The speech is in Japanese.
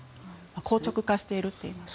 硬直化しているといいますか。